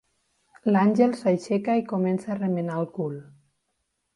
L'Àngels s'aixeca i comença a remenar el cul.